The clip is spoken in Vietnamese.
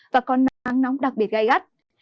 và còn nắng nóng đặc biệt gai gắt